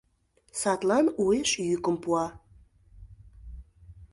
Садлан уэш йӱкым пуа: